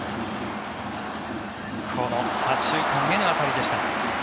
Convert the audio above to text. この左中間への当たりでした。